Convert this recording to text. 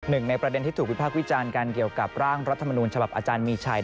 ในประเด็นที่ถูกวิพากษ์วิจารณ์กันเกี่ยวกับร่างรัฐมนูญฉบับอาจารย์มีชัย